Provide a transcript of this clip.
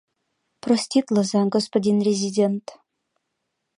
— Проститлыза, господин резидент!..